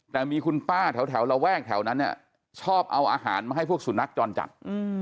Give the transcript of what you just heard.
แต่มีคุณป้าแถวระแวกแถวนั้นเนี่ยชอบเอาอาหารมาให้พวกสุนัขจรจัด